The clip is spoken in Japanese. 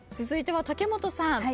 続いては武元さん。